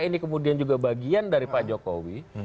ini kemudian juga bagian dari pak jokowi